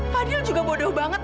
fadil juga bodoh banget